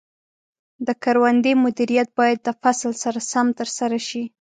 د کروندې مدیریت باید د فصل سره سم ترسره شي.